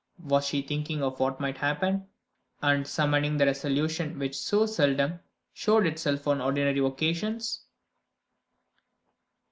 Was she thinking of what might happen, and summoning the resolution which so seldom showed itself on ordinary occasions?